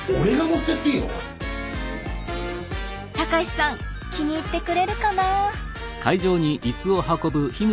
隆さん気に入ってくれるかな？